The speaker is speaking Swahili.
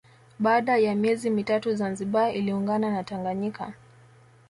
Baada ya miezi mitatu Zanzibar iliungana na Tanganyika